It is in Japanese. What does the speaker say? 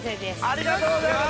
ありがとうございます。